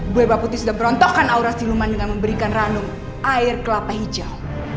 bu ewa putih sudah berontokkan aura siluman dengan memberikan ranum air kelapa hijau